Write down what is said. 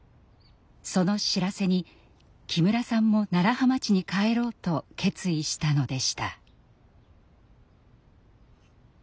その知らせに木村さんも楢葉町に帰ろうと決意したのでした。